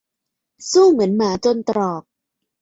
สู้เหมือนหมาจนตรอก